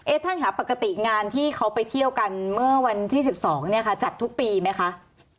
ท่านค่ะปกติงานที่เขาไปเที่ยวกันเมื่อวันที่๑๒เนี่ยค่ะจัดทุกปีไหมคะ